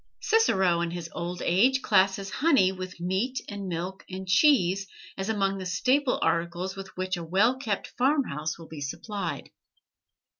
Cicero, in his "Old Age," classes honey with meat and milk and cheese as among the staple articles with which a well kept farm house will be supplied.